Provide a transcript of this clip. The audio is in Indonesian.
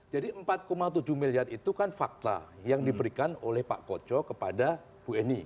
jadi empat tujuh miliar itu kan fakta yang diberikan oleh pak kocok kepada bu eni